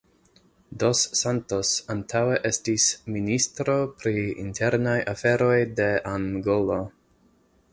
Dos Santos antaŭe estis ministro pri internaj aferoj de Angolo.